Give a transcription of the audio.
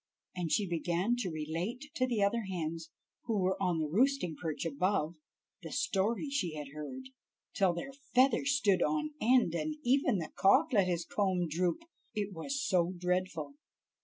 And she began to relate to the other hens who were on the roosting perch above, the story she had heard, till their feathers stood on end, and even the cock let his comb droop, it was so dreadful.